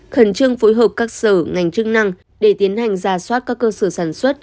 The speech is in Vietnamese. khẩn trương phối hợp các sở ngành chức năng để tiến hành ra soát các cơ sở sản xuất